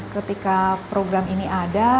ketika program ini ada